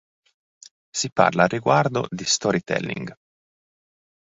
Si parla al riguardo di storytelling.